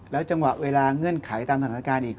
จังหวะเวลาเงื่อนไขตามสถานการณ์อีก